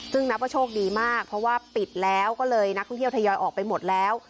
ซึ่งนับว่าโชคดีมากเพราะว่าปิดแล้วก็เลยนักท่องเที่ยวทยอยออกไปหมดแล้ว